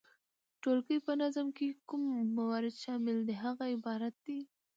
د ټولګي په نظم کي چي کوم موارد شامل دي هغه عبارت دي،